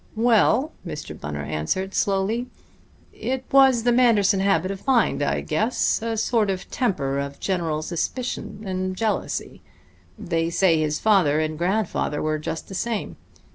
"Well," Mr. Bunner answered slowly, "it was the Manderson habit of mind, I guess; a sort of temper of general suspicion and jealousy. They say his father and grandfather were just the same....